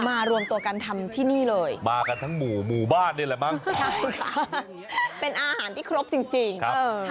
รวมตัวกันทำที่นี่เลยมากันทั้งหมู่หมู่บ้านนี่แหละมั้งใช่ค่ะเป็นอาหารที่ครบจริงครับ